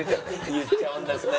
言っちゃうんですね。